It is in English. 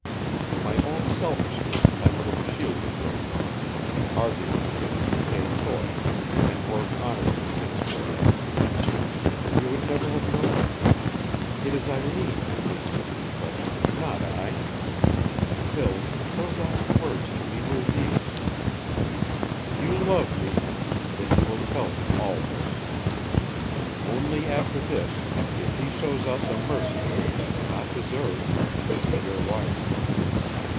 In my own selfishness I would have shielded Brokaw, arguing that he could pay Thorpe, and work honorably henceforth. You would never have known. It is Eileen who makes this confession, not I. Phil, her last words to me were these: 'You love me. Then you will tell him all this. Only after this, if he shows us a mercy which we do not deserve, can I be your wife.'